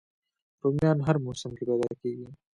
رومیان هر موسم کې پیدا کېږي